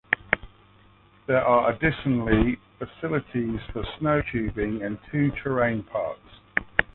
There are additionally facilities for snow tubing and two terrain parks.